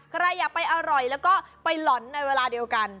ใครอยากไปอร่อยแล้วก็ไปหล่อนในเวลาเดียวกัน